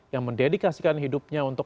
yang mendedikasikan hidupnya untuk